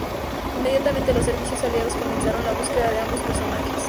Inmediatamente los servicios aliados comenzaron la búsqueda de ambos personajes.